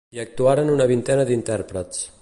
Hi actuaran una vintena d’intèrprets.